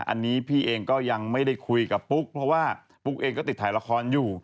อันนี้พี่เองก็ยังไม่ได้คุยกับปุ๊กเพราะว่าปุ๊กเองก็ติดถ่ายละครอยู่